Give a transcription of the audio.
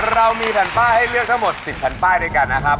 เรามีแผ่นป้ายให้เลือกทั้งหมด๑๐แผ่นป้ายด้วยกันนะครับ